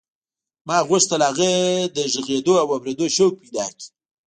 ما غوښتل هغه د غږېدو او اورېدو شوق پیدا کړي